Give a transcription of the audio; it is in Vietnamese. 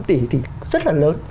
một mươi hai năm tỷ thì rất là lớn